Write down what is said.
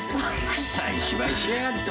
くさい芝居しやがって。